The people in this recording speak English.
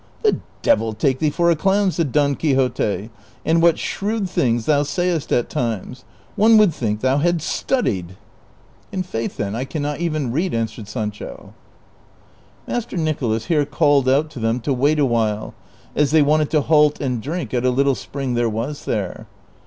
" The devil take thee for a clown !" said Don Quixote, " and what shrewd things thou sayest at times ! One would think thou liadst studied." CHAPTER XXXI . 263 " In faith, then, I can not even read," answered Sancho. Master Nicholas here called out to them to wait a Avhile, as they wanted to halt and drink at a little spring there was there.